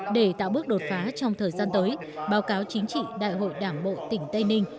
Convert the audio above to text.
để tạo bước đột phá trong thời gian tới báo cáo chính trị đại hội đảng bộ tỉnh tây ninh